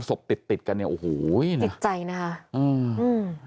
ศพติดติดกันเนี้ยโอ้โหติดใจนะคะอืมอืม